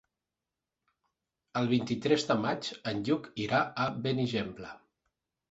El vint-i-tres de maig en Lluc irà a Benigembla.